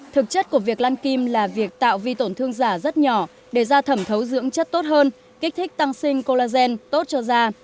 thực chất của việc lan kim là việc tạo vi tổn thương giả rất nhỏ để da thẩm thấu dưỡng chất tốt hơn kích thích tăng sinh colagen tốt cho da